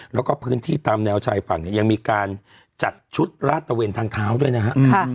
แล้วก็พื้นที่ตามแนวชายฝั่งเนี่ยยังมีการจัดชุดลาดตะเวนทางเท้าด้วยนะฮะ